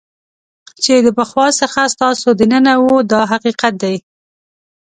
چې د پخوا څخه ستاسو دننه وو دا حقیقت دی.